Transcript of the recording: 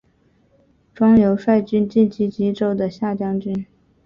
庄尤率军进击荆州的下江军。